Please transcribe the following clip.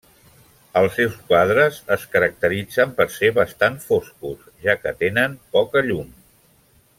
Els seus quadres es caracteritzen per ser bastant foscos, ja que tenen poca llum.